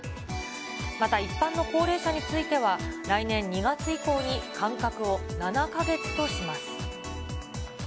また一般の高齢者については、来年２月以降に間隔を７か月とします。